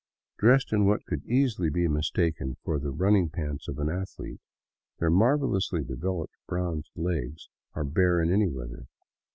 Dressed in what could easily be mistaken for the running pants of an athlete, their marvelously developed bronzed legs are bare in any weather.